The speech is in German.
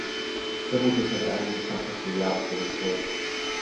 Vermutlich hat er einige Fantastilliarden veruntreut.